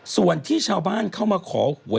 ส่วนที่ชาวบ้านเข้ามาขอหวย